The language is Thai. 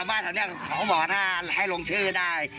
ลองชื่อได้มันจะให้ลงชื่ออ่า